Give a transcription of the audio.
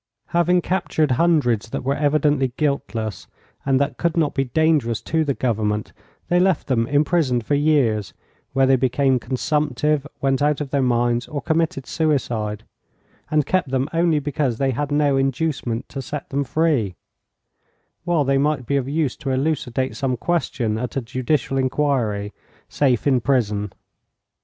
Having captured hundreds that were evidently guiltless, and that could not be dangerous to the government, they left them imprisoned for years, where they became consumptive, went out of their minds or committed suicide, and kept them only because they had no inducement to set them free, while they might be of use to elucidate some question at a judicial inquiry, safe in prison.